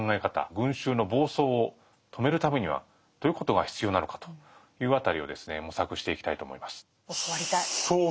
群衆の暴走を止めるためにはどういうことが必要なのかという辺りを模索していきたいと思います。